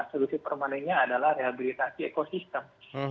solusi permanennya adalah rehabilitasi ekosistem